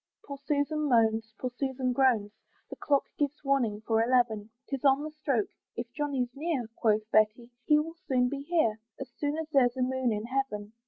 Poor Susan moans, poor Susan groans, The clock gives warning for eleven; 'Tis on the stroke "If Johnny's near," Quoth Betty "he will soon be here, "As sure as there's a moon in heaven."